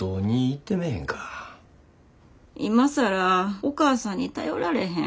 今更お母さんに頼られへん。